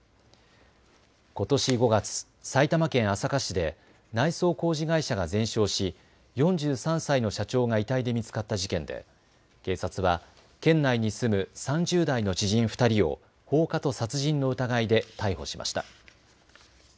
ことし５月、埼玉県朝霞市で内装工事会社が全焼し４３歳の社長が遺体で見つかった事件で、警察は県内に住む３０代の知人２人を放火と殺人の疑いで逮捕しました。